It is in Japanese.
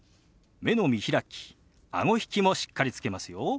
目の見開きあご引きもしっかりつけますよ。